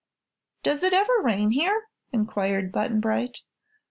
"Does it ever rain here?" inquired Button Bright.